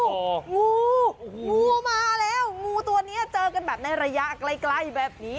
งูงูมาแล้วงูตัวนี้เจอกันแบบในระยะใกล้แบบนี้